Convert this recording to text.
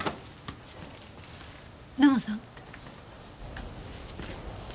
土門さん。